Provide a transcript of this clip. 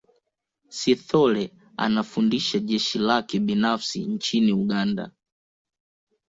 Sithole anafundisha jeshi lake binafsi nchini Uganda